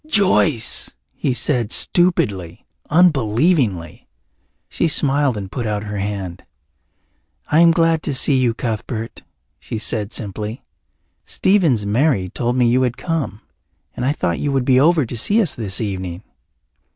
"Joyce!" he said, stupidly, unbelievingly. She smiled and put out her hand. "I am glad to see you, Cuthbert," she said simply. "Stephen's Mary told me you had come. And I thought you would be over to see us this evening."